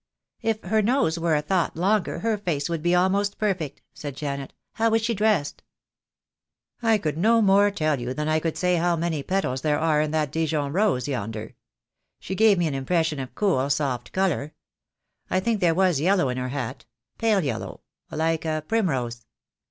"If her nose were a thought longer her face would be almost perfect," said Janet. "How was she dressed?" "I could no more tell you than I could say how many petals there are in that Dijon rose yonder. She gave me an impression of cool soft colour. I think there was yellow in her hat — pale yellow, like a primrose."